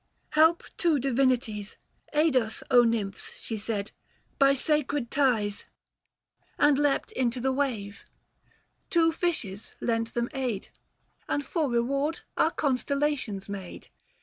—" Help two divinities, Aid us, Nymphs," she said, " by sacred ties ;" E 50 THE FASTI. Book II. And leapt into the wave. Two fishes lent them aid, And for reward are constellations made.